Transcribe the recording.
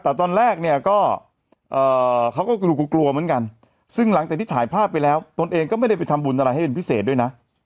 แต่ตอนแรกเนี่ยก็เขาก็กลัวกลัวเหมือนกันซึ่งหลังจากที่ถ่ายภาพไปแล้วตนเองก็ไม่ได้ไปทำบุญอะไรให้เป็นพิเศษด้วยนะ